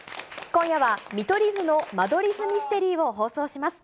今夜は、見取り図の間取り図ミステリーを放送します。